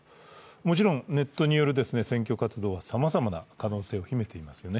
もちろんネットによる選挙活動はさまざまな一面を秘めていますよね。